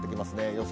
予想